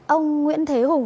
ông nguyễn thế hùng